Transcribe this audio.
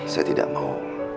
saya tidak mau